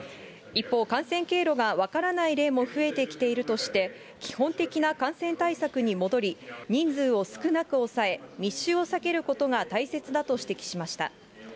一方、感染経路が分からない例も増えてきているとして、基本的な感染対策に戻り、人数を少なく抑え、密集を避けることが大切だと指摘しました。